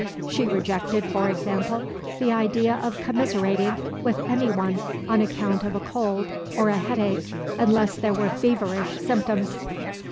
She rejected, for example, the idea of commiserating with any one on account of a cold or a headache, unless there were feverish symptoms!